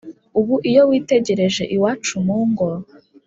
.Ubu iyo witegereje iwacu mu ngo